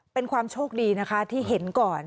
เป็นความโชคดีนะคะที่เห็นก่อน